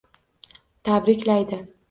Tabriklaydi